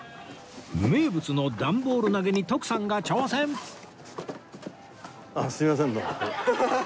名物の段ボール投げに徳さんが挑戦！あっすみませんね。